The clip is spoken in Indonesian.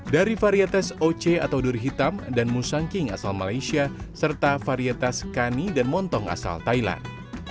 dari varietes oce atau dur hitam dan musangking asal malaysia serta varietes kani dan montong asal thailand